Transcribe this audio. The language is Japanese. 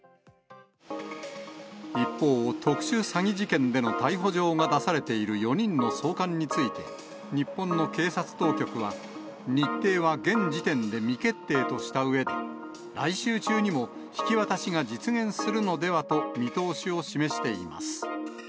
一方、特殊詐欺事件での逮捕状が出されている４人の送還について、日本の警察当局は、日程は現時点で未決定としたうえで、来週中にも引き渡しが実現するのではと見通しを示しています。